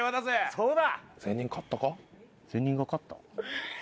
・そうだ！